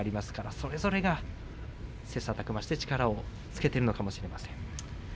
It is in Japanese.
お互いに切さたく磨して力をつけているのかもしれません。